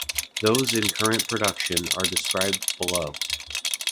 Those in current production are described below.